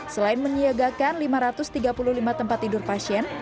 selain menyiagakan lima ratus tiga puluh lima tempat tidur pasien